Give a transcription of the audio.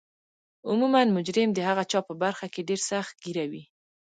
عموما مجرم د هغه چا په برخه کې ډیر سخت ګیره دی